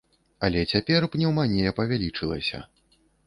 Але цяпер пнеўманія павялічылася.